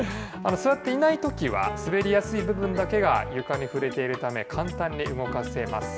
座っていないときは、滑りやすい部分だけが床に触れているため、簡単に動かせます。